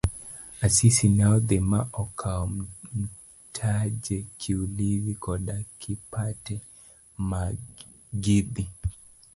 Asisi ne odhi ma okawo Mtaje. Kiulizi koda Kipate magidhi.